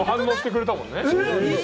本人も反応してくれたもんね。